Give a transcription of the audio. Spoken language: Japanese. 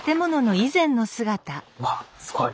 わっすごい！